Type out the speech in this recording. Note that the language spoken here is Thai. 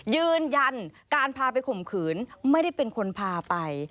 ยืนยันการพาไปข่มขืนไม่ได้เป็นคนพาไป